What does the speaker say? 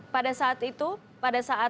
pada saat itu pada saat